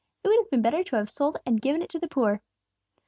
"It would have been better to have sold it and given it to the poor."